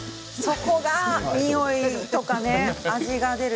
そこからにおいとか味が出る。